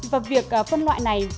và việc phân loại này